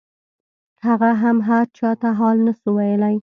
هغه هم هرچا ته حال نسو ويلاى.